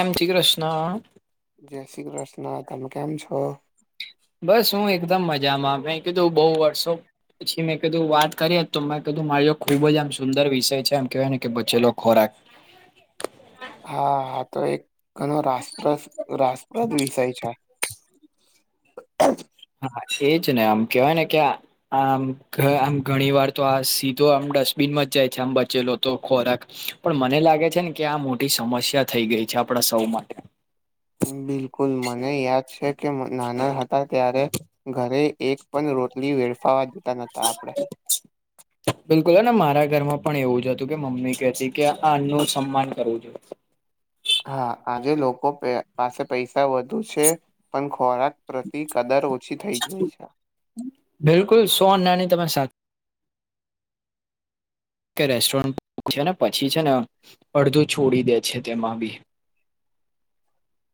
એમથી કૃષ્ણ! જય શ્રી કૃષ્ણ! તમે ક્યામ છો? બસ હું એકદમ મજામાં. મે કીધું બહુ વર્ષો- પછી મેં કીધું, વાત કરીએ. તો મેં કીધું મારી જોડે ખુબ જ આમ સુંદર વિષય છે. એમ કેહેવાય ને કે બચેલો ખોરાક. [unintelligible] હા. આ તો એક ઘણો રાસપ્રદ રાસપ્રદ વિષય છે. હા. પાછી એજ ને. આમ કેવાય ને કે, આમ, આમ ઘણી વાર તો આ સીધો આમ ડસ્ટબિનમાં જ જાય છે આમ બચેલો તો ખોરાક. પણ મને લાગે છે ને કે, આ મોટી સમસ્યા થઈ ગઈ છે આપડા સૌ માટે. બિલકુલ મને યાદ છે કે, નાના હતા ત્યારે ઘરે એક પણ રોટલી વેડફાવા દેતા નતા આપડે. [unintelligible] બિલકુલ. અને મારા ઘરમાં પણ એવું જ હતું. કે મમ્મી કેતી કે, આ અન્નનું સન્માન કરવું જોઈએ. હા. આજે લોકો પાસે પૈસા વધુ છે પણ- ખોરાક પ્રતિ કદર ઓછી થઈ જઈ છે. બિલકુલ સોન નાની તમારી સાથે, કે રેસ્ટોરન્ટ છે ને, પછી છે ને અડધું છોડી દે છે તેમાં બી.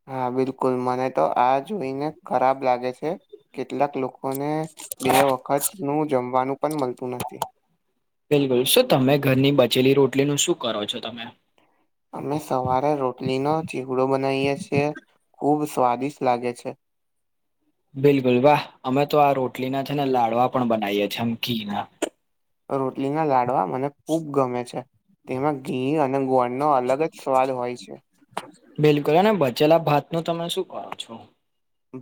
હા બિલકુલ. મને તો આ જોઈને ખરાબ લાગે છે. કેટલાક લોકો- લોકોને બે વખત નું જમવાનું પણ મળતું નથી. બિલકુલ. શું તમે ઘરની બચેલી રોટલીનું શું કરો છો તમે? અમે સવારે રોટલીનો ચીગડો બનાઇએ છીએ. ખુબ સ્વાદિષ્ટ લાગે છે. બિલકુલ. વાહ! અમે તો આ રોટલી ના છે ને, લાડવા પણ બનાવીએ છીએ. ઘીના. રોટલીના લાડવા, મને ખૂબ ગમે છે. તેમાં ઘી અને ગોળનો અલગ જ સ્વાદ હોય છે. બિલકુલ. અને બચેલા ભાત નું તમે શું કરો છો?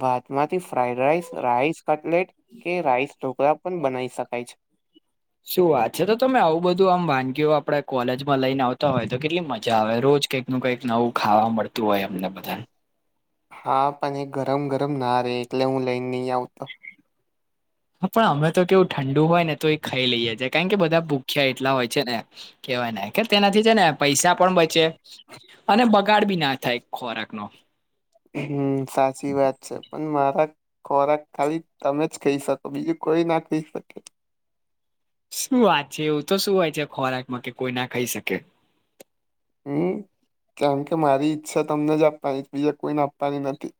ભાતમાંથી ફ્રાઈડ રાઈસ, રાઈસ કટલેટ કે રાઈસ ઢોકળા પણ બનાવી શકાય છે. શું વાત છે! તો તમે આવું બધું આમ વાનગીઓ આપડે કોલેજમાં લઈને આવતા હોય તો કેટલી મજા આવે. રોજ કઈ- નું કઈક નવું ખાવા મળતું હોય અમને બધાને. હા પણ એ ગરમ-ગરમ ના રે, એટલે હું લઈને નહી આવતો. હાં પણ અમણા તો કેવું ઠંડુ હોય ને તો એ ખાઈ લઈએ છે કાઇન કે બધા ભૂખ્યા એટલા હોય છે ને. કેવાય ને કે તેનાથી છે ને- પૈસા પણ બચે અને બગાડ બી ના થાય ખોરાક નો. હમ સાચી વાત છે. પણ મારા- ખોરાક ખાલી તમે જ ખઈ શકો બીજું કોઈ ના ખઈ શકે. શું વાત છે એવું તો શું હોય છે ખોરાકમાં કે કોઈ ના ખઈ શકે. હમ કેમ કે મારી ઈચ્છા તમને જ આપવાની બીજા કોઈને આપવાની નથી.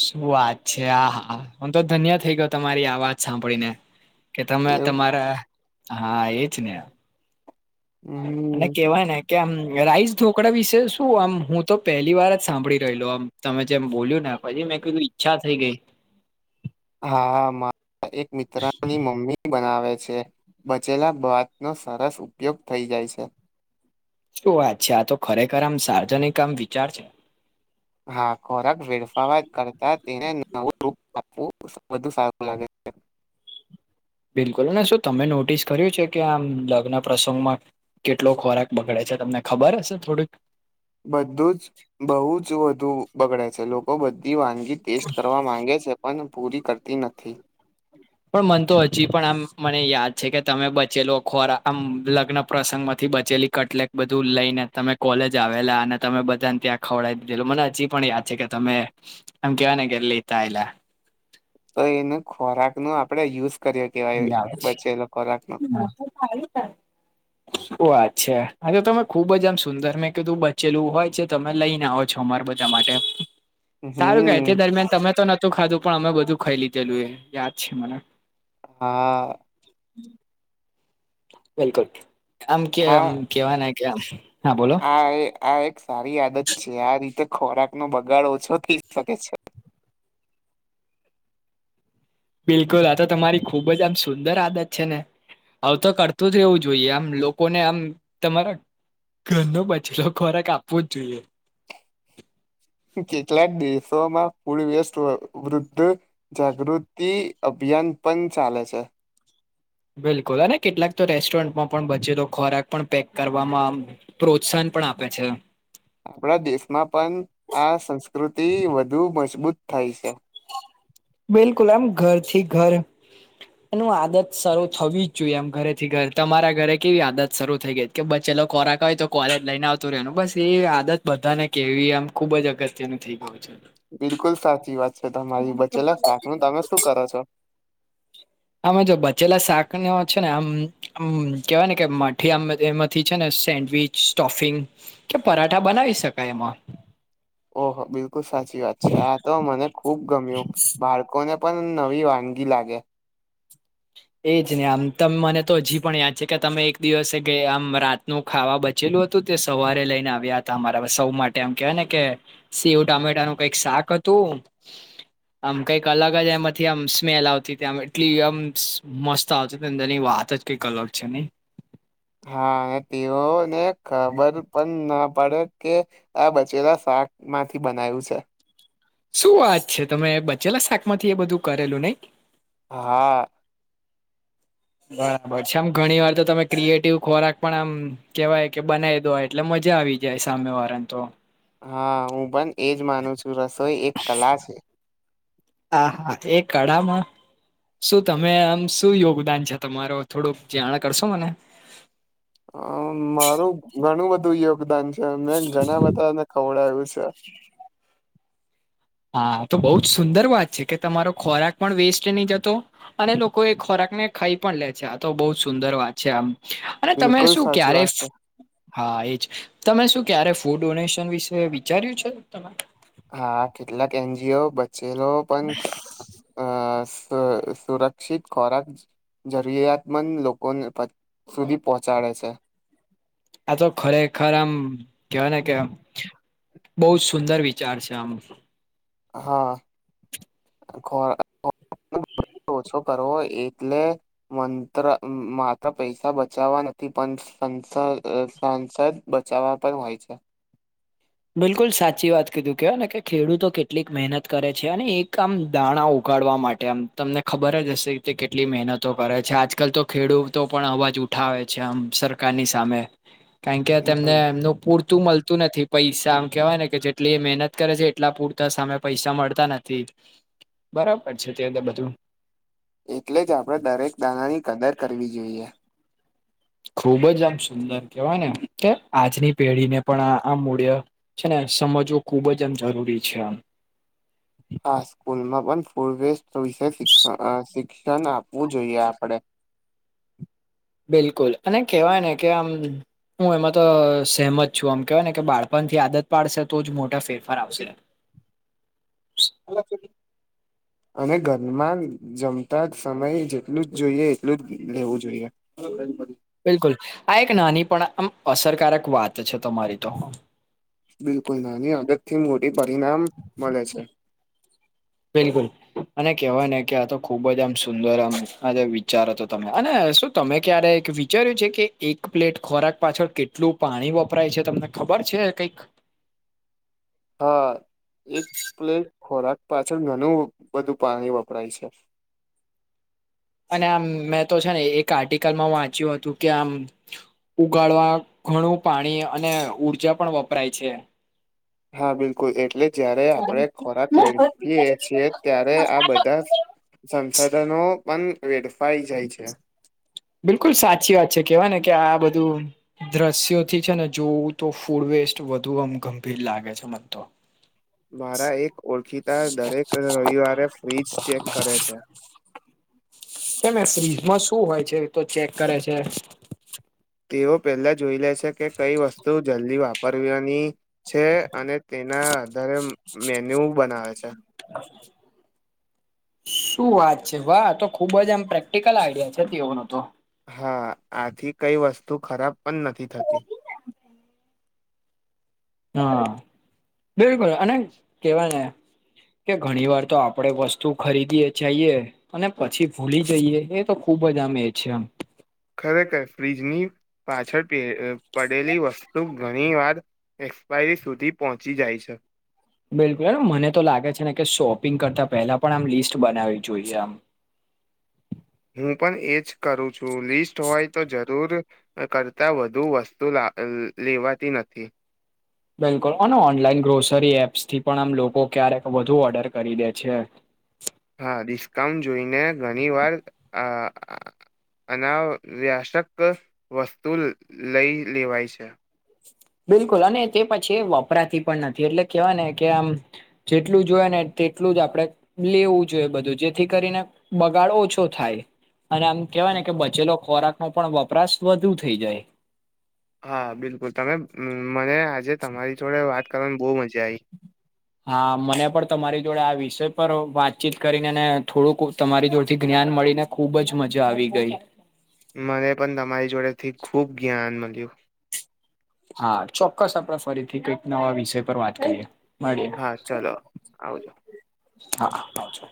શું વાત છે આ! હા! હું તો ધન્ય થઈ ગયો તમારી આવાત સાંભળીને. કે તમે એવું તમારા હા એજ ને. અને હમ. કેહેવાય ને કે આમ રાઈસ ઢોકળા વિશે શું આમ હું તો પહેલી વાર જ સાંભળી રહેલો આમ. તમે જેમ બોલ્યું ને પછી મેં કીધું ઈચ્છા થઈ ગેઈ. હા મારા એક મિત્રા ની મમ્મી. બનાવે છે. બચેલા ભાત નો સરસ ઉપયોગ થઈ જાય છે. શું વાત છે? આ તો ખરેખર આમ સાર્જનિક આમ વિચાર છે. હા, ખોરાક વેડફાવા કરતા તેને નવું રૂપ આપવું બધુ સારું લાગે. બિલકુલ ને શું તમે નોટિસ કર્યું છે કે આમ લગ્ન પ્રસંગમાં. કેટલો ખોરાક બગડે છે તમને ખબર હશે થોડીક? બધું જ. બહુ જ વધુ બગડે છે લોકો બધી વાનગી ટેસ્ટ કરવા માંગે છે. પણ પૂરી કરતી નથી. પણ મન તો હજી પણ આમ મને યાદ છે કે તમે બચેલો ખોરા આમ લગ્ન પ્રસંગ માંથી બચેલી કેટલેક બધું લઈને તમે કોલેજ આવેલા અને તમે બધાને ત્યાં ખવડાવી દીધેલું મને હજી પણ યાદ છે કે તમે અમ કેવાના કે લઈતા આયીલા. તો એનું ખોરાક નું આપડે યુઝ કર્યો [unintelligible] કેવાય બચેલો ખોરાક નો શું વાત છે હવે તો તમે ખુબ જ આમ સુંદર મેં કીધું બચેલું હોય છે તમે લઈને આઓ. છમાર બધા માટે. સારું કે તે હમ દરમિયાન તમે તો નતું ખાધું પણ અમે બધું ખાઈ લીધેલું એ યાદ છે મને. હા. [inaudible] બિલકુલ આમ કેમ આ કેવાય કે હા બોલો. આ એ આ એક સારી આદત છે. આ રીતે ખોરાક નો બગાડ ઓછો થઈ જ શકે છે. બિલકુલ આ તો તમારી ખુબ જ આમ સુંદર આદત છે ને. આવ તો કરતું જ રહેવું જોઈએ. આમ લોકોને આમ તમારા. ઘરનો બચેલો ખોરાક આપવો જ જોઈએ. કેટલાક દિવસોમાં પૂડી વેસ્ટ વૃદ્ધઓએ જાગૃતિ અભિયાન પણ ચાલે છે. બિલકુલ અ ને કેટલાક તો રેસ્ટોરન્ટમાં પણ બચે તો ખોરાક પણ પેક કરવામાં આમ પ્રોત્સાહન પણ આપે છે. આપણા દેશમાં પણ આ સંસ્કૃતિ વધુ મજબૂત થાય છે. બિલકુલ આમ ઘરથી ઘર. એનું આદત શરૂ થવી જ જોઈએ એમ ઘરેથી ઘર તમારા ઘરે કેવી આદત શરૂ થઈ ગઈ હતી. કે બચેલો ખોરાક હોય તો કોલેજ લઈને આવતું રહેેનું બસ એ આદત બધા ને કેવી આમ ખુબ જ અગત્યનું નથી. ઓ છેને. બિલકુલ સાચી વાત છે તમારી બચેલા શાક નું તમે શું કરો છો? અમે જો બચેલા શાક ને છે ને આમ. હમ કેવાય ને કે માઠી આમ એમાંથી છે ને સેન્ડવીચ સ્ટોફિંગ. કે પરાઠા બનાવી શકાય એમાં. ઓહો! બિલકુલ સાચી વાત છે. આ તો મને ખુબ ગમ્યું બાર. કોને પણ નવી વાનગી લાગે. એ જ ને મને હજી પણ યાદ છે તમે એક દિવસે કે આમ નું ખાવા બચેલું હતું તે સવારે લઈને આવ્યા હતા અમારા સૌ માટે આમ કેવાય ને કે સેવ ટામેટા નું કઈક શાક હતું. આમ કઈક અલગ જ એમાંથી સ્મેલ આવતી એટલી મસ્ત આવશે અંદર ની વાત જ કંઈક અલગ છે. હા અને તેઓને ખબર પણ ના પડે કે આ બચેલા શાકમાંથી બનાયું છે. શું વાત છે તમે બચેલા શાકમાંથી એ બધું કરેલું નહી? હા. બરાબર છે આમ ઘણી વાર તો તમે ક્રિએટિવ ખોરાક પણ આમ કહેવાય કે બનાવી દો એટલે મજા આવી જાય સામે વાળા ને તો હા હું પણ એજ માનું છું રસોઈ એક કલા છે. હા હા એ કળામાં શું તમે આમ શું યોગદાન છે તમારૂ થોડુંક જાણ કરશો મને? હા મારું ઘણું બધું યોગદાન છે મેં ઘણા બધાને ખવડાયું છે. હા તો બહુ જ સુંદર વાત છે કે તમારો ખોરાક પણ વેસ્ટ નહી જતો અને લોકો એ ખોરાક ને ખાઈ પણ લે છે આ તો બહુ જ સુંદર વાત છે. અને તમે બિલકુલ શું સાચી ક્યારે વાત છે હા એજ તમે શું ક્યારે ફૂડ ડોનેશન વિશે વિચાર્યું છે. હા કેટલાક એનજીઓ બચેલો પણ અ સ સુરક્ષિત ખોરાક જરૂરિયાતમંદ લોકો સુધી પહોંચાડે છે. આ તો ખરેખર આમ કહેવાય ને કે બહુ જ સુંદર વિચાર છે આમ હા ખોરાક [unintelligible] ઓછો કરવો એટલે મંત્ર માત્ર પૈસા બચાવવા નથી પણ સંસ અ સાંસ બચાવવા પણ હોય છે. બિલકુલ સાચી વાત કીધી કહેવાય ને કે ખેડૂતો કેટલી મહેનત કરે છે અને એક દાણા ઉગાડવા મા ટે અમે તમને ખબર જ હશે તે કેટલી મહેનત કરે છે આજકાલ તો ખેડૂતો પણ અવાજ ઉ ઠાવે છે આમ સરકારની સામે કારણ કે તેમને હમ એમનું પૂરતું મળતું નથી. પૈસા આમ કેવાય ને કે જેટલી એ મહેનત કરે છે એટલા પૂરતા સામે પૈસા મળતા નથી. બરાબર છે તે બધું એટલે જ આપણે દરેક દાણાની કદર કરવી જોઈએ. ખુબ જ આમ સુંદર કહેવાય ને કે આજની પેઢી ને પણ આ આ મૂલ્ય છે ને સમજવું ખુબ જ જરૂરી છે. હા સ્કૂલમાં પણ ફૂડ વેસ્ટ વિશે શિક્ષણ અ અ આપવું જોઈએ આપણે. બિલકુલ અને કેહેવાય ને કે આમ હું એમાં તો સહેમત છું આમ કેહેવાય ને કે બાળપણ થી આદત પાડશે તો જ મોટા ફેરફાર આવશે. [unintelligible] [inaudible] અને ઘરમાં જમતા સમયે જેટલું જોઈએ એટલું જ લેવું જોઈએ. [unintelligible] બિલકુલ આ એક નાની પણ અસરકારક વાત છે તમારી તો. બિલકુલ નાની આદતથી મોટુ પરિણામ મળે છે. બિલકુલ. અને કેહેવાય ને કે આ તો ખુબ જ સુંદર વિચારો હતા તમે અને શું તમે ક્યારે વિચાર્યું છે કે એક પ્લેટ ખોરાક પાછળ કેટલું પાણી વપરાય છે તમને ખબર છે કઈક? હા એક પ્લેટ ખોરાક પાછળ ઘણું બધું પાણી વપરાય છે. અને મેં તો છે ને એક આર્ટિકલમાં વાંચ્યું હતું કે આમ ઉકાળવા ઘણું પાણી અને ઊર્જા પણ વપરાય છે. હા બિલકુલ એટલે જયારે આપણે ખોરાક વેડફીએ છીએ ત્યારે આ બધા સંસાધનો પણ વેડફાઈ જાય છે. બિલકુલ સાચી વાત છે કેવાય ને કે આ બધું દ્રશ્યોથી છે ને જોવું તો ફૂડ વેસ્ટ વધુ આમ ગંભીર લાગે છે મને તો [inaudible] મારા એક ઓળખીતા દરેક રવિવારે ફ્રિજ ચેક કરે છે. કેમ એ ફ્રીજમાં શું હોય છે તો ચેક કરે છે? તેઓ પેલા જોઈ લે છે કે કઈ વસ્તુ જલ્દી વાપરવીની- છે અને તેના આધારે મેન્યુ બનાવે છે. [inaudible] શું વાત છે વાહ તો ખુબ જ આમ પ્રેક્ટિકલ આઈડિયા છે તેઓનો તો- હા આથી કઈ વસ્તુ ખરાબ પણ નથી થતી હા બિલકુલ અને કેવાને- કે ઘણી વાર તો આપડે વસ્તુ ખરીદીએે છએ- અને પછી ભૂલી જઈએ એ તો ખુબ જ આમ એ છે. આમ- ખરેખર ફ્રીજની પાછળ પડેલી વસ્તુ ઘણી વાર- એક્સપાયરી સુધી પહોંચી જાય છે. બિલકુલ મને તો લાગે છે ને કે શોપિંગ કરતાં પહેલા પણ આમ લિસ્ટ બનાવવી જોઈએ આમ- હું પણ એજ કરું છું લિસ્ટ હોય તો જરૂર- કરતાં વધુ વસ્તુ લા લેવાતી નથી? બિલકુલ અને ઓનલાઈન ગ્રોસરી એપ્સ થી પણ આમ લોકો ક્યારેક વધુ ઓર્ડર કરી દે છે. હા ડિસ્કાઉન્ટ જોઈને ઘણી વાર આ અ- અનાવ્યાશક વસ્તુ લઈ લેવાય છે. બિલકુલ અને તે પછી વપરાતી પણ નથી એટલે કેહેવાય ને કે આમ- જેટલું જોએ ને તેટલું જ આપણે- લેવું જોઈએ બધું જેથી કરીને બગાડ ઓછો થાય- અને આમ કેવાય ને કે બચેલો ખોરાક નો પણ વપરાશ વધુ થઇ જાય- હા બિલકુલ તમે મને આજે તમારી જોડે વાત કરવાની બહુ મજા આવી- હા મને પણ તમારી જોડે આ વિષય પર વાતચીત કરીનેને થોડુંક તમારી જોડથી જ્ઞાન મળીને- ખુબ જ મજા આવી ગઈ- મને પણ તમારી જોડેથી ખુબ જ્ઞાન મળ્યું- હા ચોક્કસ આપડ ફરીથી કઈક નવા વિષય પર વાત કરીએ- મળએ હા ચલો આવજો હા આવજો